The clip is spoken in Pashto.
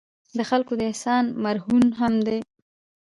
د خلکو د احسان مرهون هم دي.